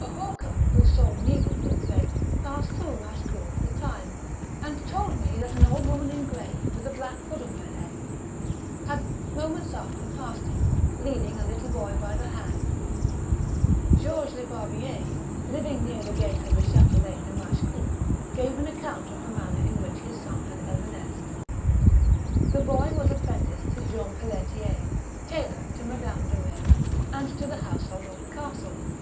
A hawker who sold needles and thread passed through Machecoul at the time, and told me that an old woman in grey, with a black hood on her head, had bought of him some children's toys, and had a few moments after passed him, leading a little boy by the hand." Georges Lebarbier, living near the gate of the chatelet de Machecoul, gave an account of the manner in which his son had evanesced. The boy was appren ticed to Jean Pelletier, tailor to Mme. de Retz and to the household of the castle.